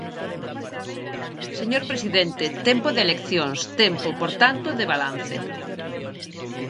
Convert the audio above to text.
Señor presidente, tempo de eleccións; tempo, por tanto, de balance.